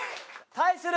対する